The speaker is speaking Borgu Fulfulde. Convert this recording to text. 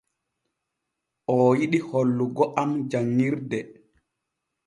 Oo yiɗi hollugo am janŋirde.